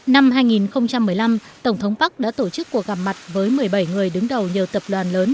năm hai nghìn một mươi năm tổng thống park đã tổ chức cuộc gặp mặt với một mươi bảy người đứng đầu nhiều tập đoàn lớn